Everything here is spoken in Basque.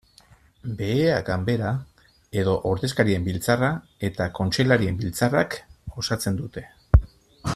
Behea Ganbera edo Ordezkarien Biltzarra eta Kontseilarien Biltzarrak osatzen dute.